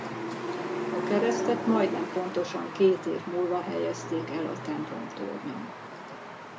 A keresztet majdnem pontosan két év múlva helyezték el a templomtornyon.